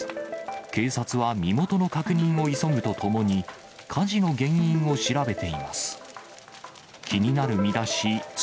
警察は身元の確認を急ぐとともに、火事の原因を調べています。